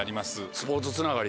スポーツつながりで。